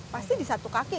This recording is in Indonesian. pasti di satu kaki